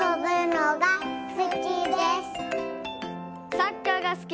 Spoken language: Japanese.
サッカーがすき。